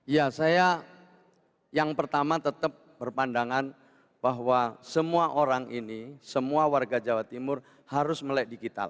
ya saya yang pertama tetap berpandangan bahwa semua orang ini semua warga jawa timur harus melek digital